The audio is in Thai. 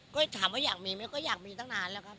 ก็ถามว่าอยากมีไหมก็อยากมีตั้งนานแล้วครับ